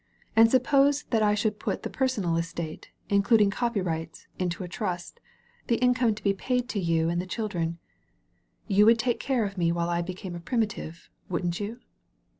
And suppose that I should put the personal estate, including copy rights, into a trust, the income to be paid to you and the children. You would take care of me while I became a primitive, wouldn't you?"